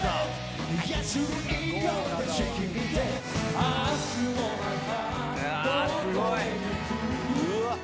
あすごい。